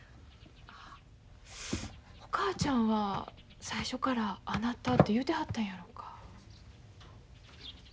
お母ちゃんは最初からあなたと言うてはったんやろか。